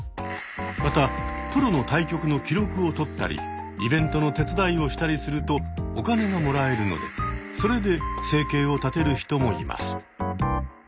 またプロの対局の記録をとったりイベントの手伝いをしたりするとお金がもらえるのでそれで生計を立てる人もいます。